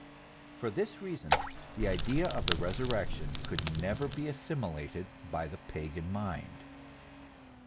For this reason the idea of the resurrection could never be assimilated by the pagan mind.